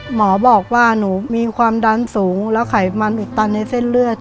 หมอบอกว่าหนูมีความดันสูงแล้วไขมันอุดตันในเส้นเลือด